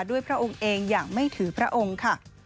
พระองค์เองอย่างไม่ถือพระองค์ค่ะ